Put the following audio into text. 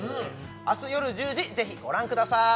あすよる１０時ぜひご覧ください